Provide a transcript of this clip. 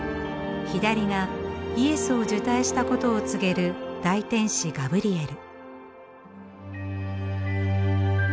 左がイエスを受胎したことを告げる大天使ガブリエル。